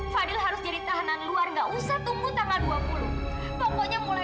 fadil harus jadi tahanan luar nggak usah tunggu tanggal dua puluh pokoknya mulai